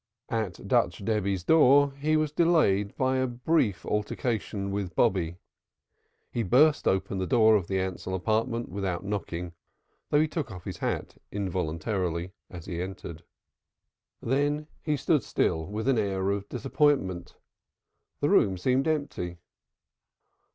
At Dutch Debby's door he was delayed by a brief altercation with Bobby. He burst open the door of the Ansell apartment without knocking, though he took off his hat involuntarily as he entered Then he stood still with an air of disappointment. The room seemed empty.